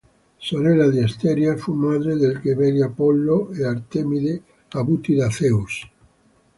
Sorella di Asteria, fu madre dei gemelli Apollo e Artemide avuti da Zeus.